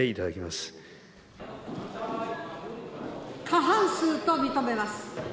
過半数と認めます。